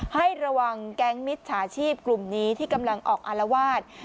ให้ระวังแก๊งมิจฉาชีพกลุ่มนี้ที่กำลังออกอารวาส